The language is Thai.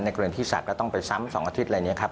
กรณีที่สัตว์ก็ต้องไปซ้ำ๒อาทิตย์อะไรอย่างนี้ครับ